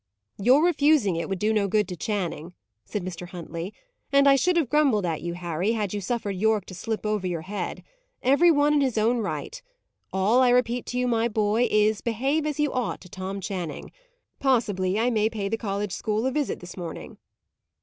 "Your refusing it would do no good to Channing," said Mr. Huntley. "And I should have grumbled at you, Harry, had you suffered Yorke to slip over your head. Every one in his own right. All I repeat to you, my boy, is, behave as you ought to Tom Channing. Possibly I may pay the college school a visit this morning."